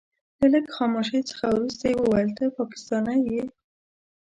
له لږ خاموشۍ څخه وروسته يې وويل ته پاکستانی يې.